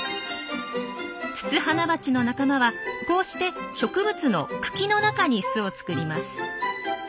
ツツハナバチの仲間はこうして植物の茎の中に巣を作ります。